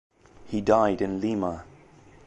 He died in Lima.